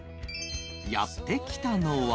やって来たのは